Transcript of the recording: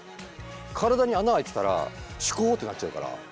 体に穴開いてたらシュコーってなっちゃうから。